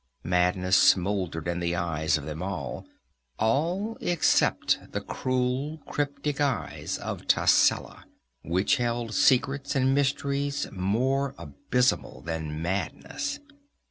Madness smoldered in the eyes of them all all except the cruel, cryptic eyes of Tascela, which held secrets and mysteries more abysmal than madness.